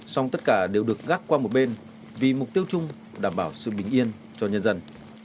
song tất cả đều được gác qua một bên vì mục tiêu chung đảm bảo sự bình yên cho nhân dân